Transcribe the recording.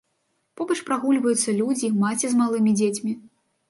Побач прагульваюцца людзі, маці з малымі дзецьмі.